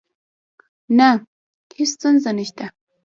نه، هیڅ ستونزه نشته